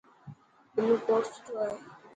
بلو ڪوٽ سٺو هي.